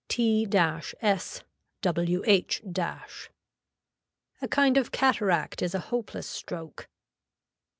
T S WH . A kind of cataract is a hopeless stroke.